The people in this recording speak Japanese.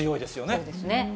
そうですね。